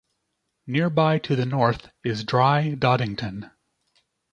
Nearby to the north is Dry Doddington.